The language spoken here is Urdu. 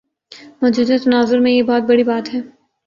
موجودہ تناظر میں یہ بہت بڑی بات ہے۔